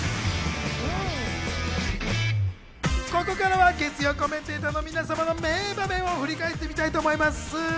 ここからは月曜コメンテーターの皆様の名場面を振り返ってみたいと思います。